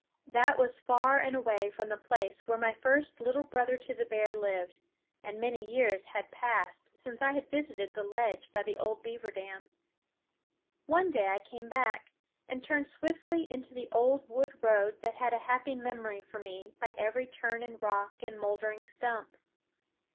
That was far away from the place where my first Little Brother to the Bear lived, and many years had passed since I had visited the ledge by the old beaver dam. One day I came back, and turned swiftly into the old wood road that had a happy memory for me by every turn and rock and moldering stump.